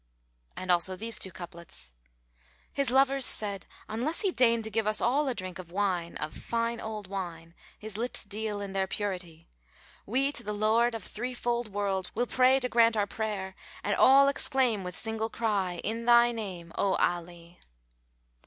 '" And also these two couplets, "His lovers said, 'Unless he deign to give us all a drink * Of wine, of fine old wine his lips deal in their purity; We to the Lord of Threefold Worlds will pray to grant our prayer' * And all exclaim with single cry 'In thy name, O Ali!'"